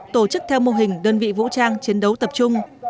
tổ chức theo mô hình đơn vị vũ trang chiến đấu tập trung